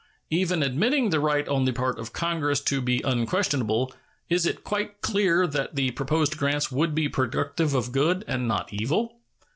Even admitting the right on the part of Congress to be unquestionable, is it quite clear that the proposed grants would be productive of good, and not evil?